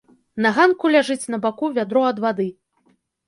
На ганку ляжыць на баку вядро ад вады.